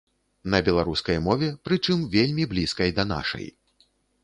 На беларускай мове, прычым вельмі блізкай да нашай.